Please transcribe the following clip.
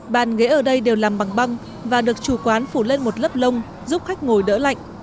bàn ghế ở đây đều làm bằng băng và được chủ quán phủ lên một lớp lông giúp khách ngồi đỡ lạnh